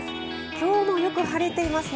今日もよく晴れていますね。